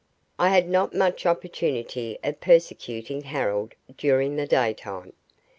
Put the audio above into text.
I had not much opportunity of persecuting Harold during the daytime.